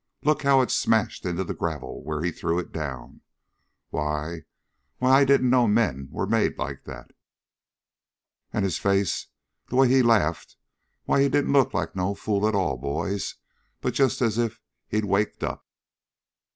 "Look how it smashed into the gravel where he threw it down! Why why I didn't know men was made like that. And his face the way he laughed why he didn't look like no fool at all, boys. But just as if he'd waked up!"